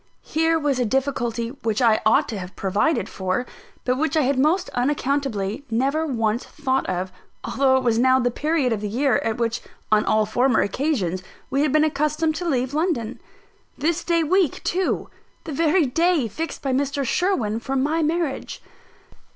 Here was a difficulty which I ought to have provided for; but which I had most unaccountably never once thought of, although it was now the period of the year at which on all former occasions we had been accustomed to leave London. This day week too! The very day fixed by Mr. Sherwin for my marriage!